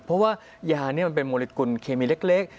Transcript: เพราะว่ายานี่มันเป็นโมลิกุลเคมีเล็ก